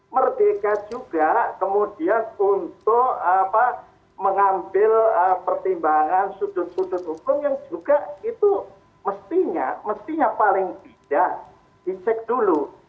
merdeka juga kemudian untuk mengambil pertimbangan sudut sudut hukum yang juga itu mestinya mestinya paling tidak dicek dulu